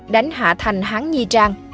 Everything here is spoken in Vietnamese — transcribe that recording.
đánh hạ thành hán nhi trang